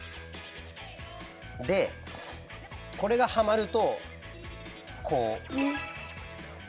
でこれがはまるとこう。